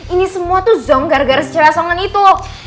ini semua tuh zonk gara gara si cewek asongan itu